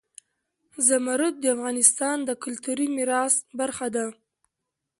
زمرد د افغانستان د کلتوري میراث برخه ده.